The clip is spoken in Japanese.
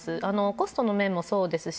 コストの面もそうですし